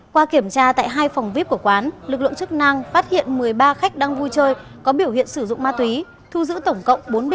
qua kiểm tra tại hai phòng vip của quán lực lượng chức năng phát hiện một mươi ba khách đang vui chơi có biểu hiện sử dụng ma túy thu giữ tổng cộng bốn bịch ma túy